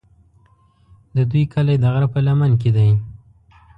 د دوی کلی د غره په لمن کې دی.